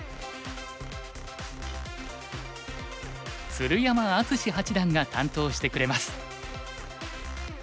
鶴山淳志八段が担当してくれます。